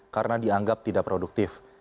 karena dianggap tidak produktif